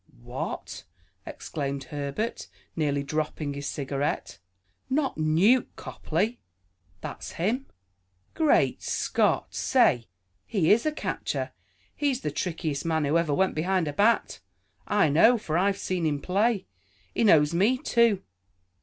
"What?" exclaimed Herbert, nearly dropping his cigarette. "Not Newt Copley?" "That's him." "Great scott! Say, he is a catcher. He's the trickiest man who ever went behind a bat. I know, for I've seen him play. He knows me, too.